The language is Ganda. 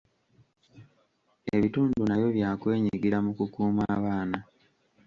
Ebitundu nabyo bya kwenyigira mu kukuuma abaana.